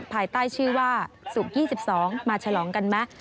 ภายใต้ชื่อว่าศุกร์๒๒มาฉลองกันไหม